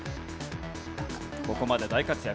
ここまで大活躍